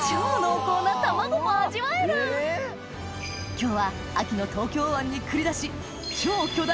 今日は秋の東京湾に繰り出しきた？